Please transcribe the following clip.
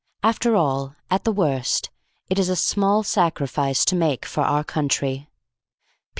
After all, at the worst, it is a small sacrifice to make for our country.